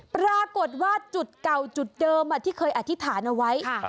ปรากฏว่าจุดเก่าจุดเดิมที่เคยอธิษฐานเอาไว้